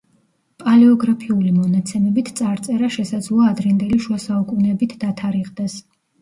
პალეოგრაფიული მონაცემებით წარწერა შესაძლოა ადრინდელი შუა საუკუნეებით დათარიღდეს.